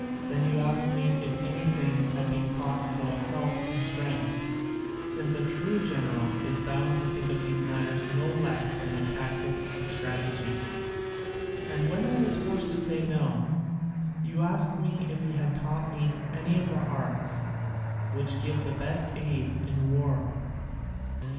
Then you asked me if anything had been taught about health and strength, since a true general is bound to think of these matters no less than of tactics and strategy. And when I was forced to say no, you asked me if he had taught me any of the arts which give the best aid in war.